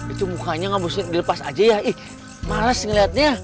itu mukanya gak bisa dilepas aja ya ih males ngelihatnya